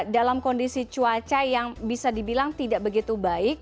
dalam kondisi cuaca yang bisa dibilang tidak begitu baik